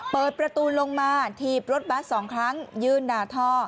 เปิดประตูลงมาถีบรถบัส๒ครั้งยืนด่าทอ